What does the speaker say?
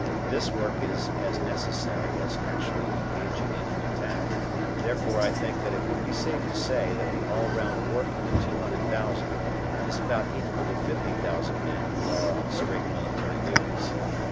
This work is as necessary as actually engaging in an attack, therefore I think that it would be safe to say that the all round work of the two hundred thousand is about equal to fifty thousand men who are on straight military duties.